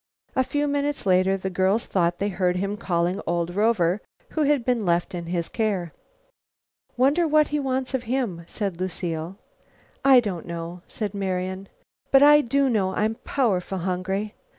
A few minutes later the girls thought they heard him calling old Rover, who had been left in his care. "Wonder what he wants of him?" said Lucile. "I don't know," said Marian. "But I do know I'm powerful hungry.